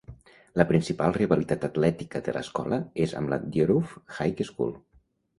La principal rivalitat atlètica de l'escola és amb la Dieruff High School.